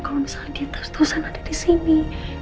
kalau dia terus terusan ada disini